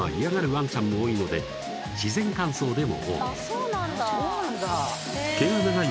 ワンちゃんも多いので自然乾燥でもオーケー毛が長い